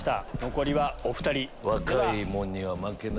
残りはお２人。